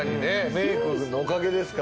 メイクのおかげですから。